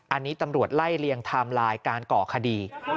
อันนี้ตำรวจไล่เลียงไทม์ไลน์การก่อคดี